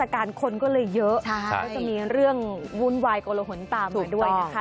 การคนก็เลยเยอะแล้วจะมีเรื่องวุ่นวายกระหละหลนตามมาด้วยนะคะ